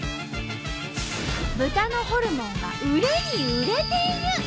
豚のホルモンが売れに売れている！